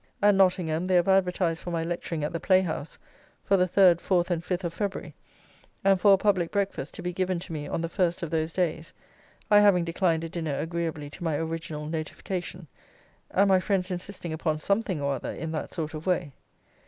At Nottingham, they have advertised for my lecturing at the play house, for the 3rd, 4th, and 5th of February, and for a public breakfast to be given to me on the first of those days, I having declined a dinner agreeably to my original notification, and my friends insisting upon something or other in that sort of way.